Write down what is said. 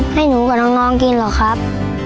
ให้หนูกับน้องกินหรอกครับ